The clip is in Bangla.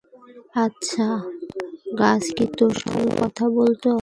আচ্ছা, গাছ কি তোর সঙ্গে কথা বলত?